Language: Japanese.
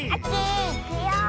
いくよ。